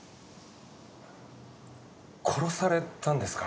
殺されたんですか？